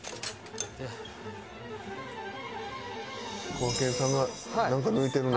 こがけんさんがなんか抜いてる。